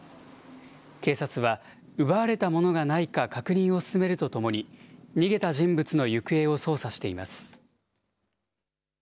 警察は奪われたものがないか確認を進めるとともに、逃げた人物の行方を捜査しています。